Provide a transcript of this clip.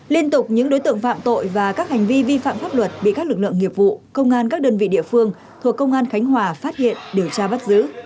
liên tục những đối tượng phạm tội và các hành vi vi phạm pháp luật bị các lực lượng nghiệp vụ công an các đơn vị địa phương thuộc công an khánh hòa phát hiện điều tra bắt giữ